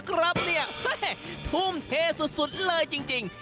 ครับเนี่ยทุ่มเทสุดเลยจริง